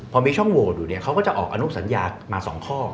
พอมีช่องโหวตอยู่เนี่ยเขาก็จะออกอนุสัญญามา๒ข้อ